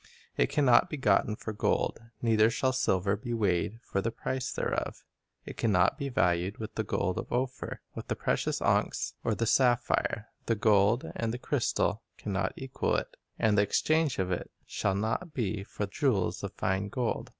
"It can not be gotten for gold, Neither shall silver be weighed for the price thereof. It can not be valued with the gold of Ophir, With the precious onyx, or the sapphire. The gold and the crystal can not equal it; And the exchange of it shall not be for jewels of fine gold.